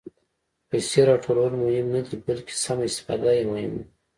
پېسې راټولول مهم نه دي، بلکې سمه استفاده یې مهمه ده.